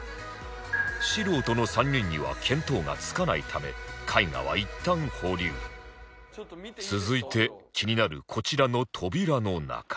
素人の３人には見当がつかないため絵画は続いて気になるこちらの扉の中